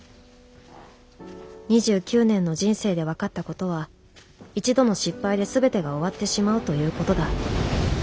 ２９年の人生で分かったことは一度の失敗で全てが終わってしまうということだ。